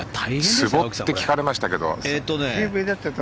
坪って聞かれましたけど。